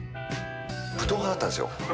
武闘派だったんですよ